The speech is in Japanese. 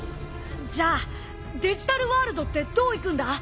じゃあデジタルワールドってどう行くんだ？